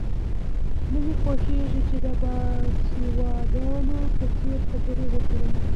نه مې خوښېږي چې د باسوادانو په څېر خبرې ولیکم.